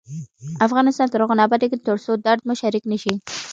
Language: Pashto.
افغانستان تر هغو نه ابادیږي، ترڅو درد مو شریک نشي.